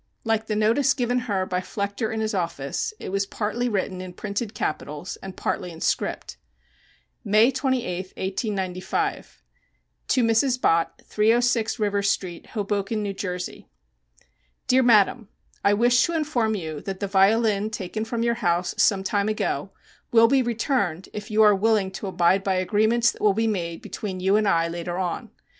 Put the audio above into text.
Like the notice given her by Flechter in his office, it was partly written in printed capitals and partly in script. May 28, 1895. To MRS. BOTT, 306 River Street, Hoboken, N. J. Dear Madam: I wish to inform you that the violin taken from your house some time ago will be returned if you are willing to abide by agreements that will be made between you and I later on.